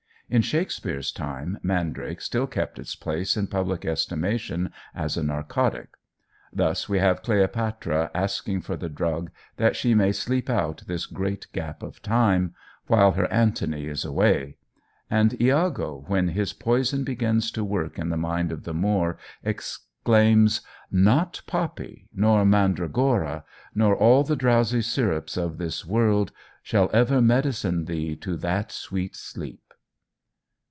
In Shakespeare's time mandrake still kept its place in public estimation as a narcotic. Thus we have Cleopatra asking for the drug, that she may "sleep out this great gap of time" while her Antony is away; and Iago, when his poison begins to work in the mind of the Moor, exclaims "Not poppy, nor mandragora Nor all the drowsy syrups of this world, Shall ever medicine thee to that sweet sleep."